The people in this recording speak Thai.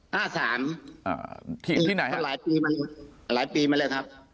ที่ไหนครับเหลืออีกมาหลายปีไหมล่ะครับ